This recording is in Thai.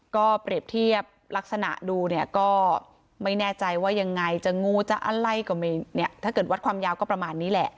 ก็เปรียบเทียบลักษณะดูเนี่ยก็ไม่แน่ใจว่ายังไงจะงูจะอะไรก็ไม่เนี่ยถ้าเกิดวัดความยาวก็ประมาณนี้แหละ